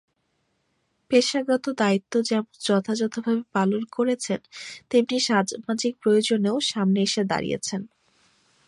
পেশাগত দায়িত্ব যেমন যথাযথভাবে পালন করেছেন, তেমনি সামাজিক প্রয়োজনেও সামনে এসে দাঁড়িয়েছেন।